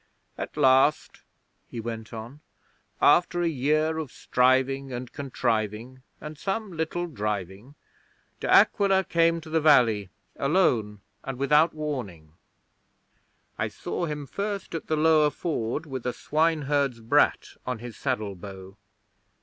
'At last,' he went on, 'after a year of striving and contriving and some little driving, De Aquila came to the valley, alone and without warning. I saw him first at the Lower Ford, with a swineherd's brat on his saddle bow.